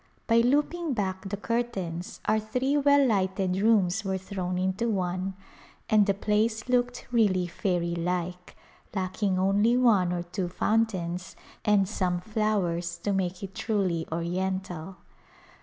By looping back the curtains our three well lighted rooms were thrown into one and the place looked really fairy like, lacking only one or two foun tains and some flowers to make it truly oriental.